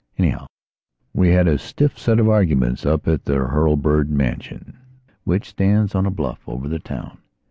Anyhow, we had a stiff set of arguments up at the Hurlbird mansion which stands on a bluff over the town.